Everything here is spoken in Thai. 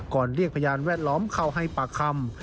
เรียกพยานแวดล้อมเข้าให้ปากคำ